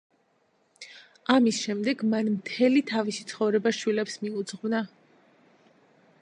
ამის შემდეგ მან მთელი თავისი ცხოვრება შვილებს მიუძღვნა.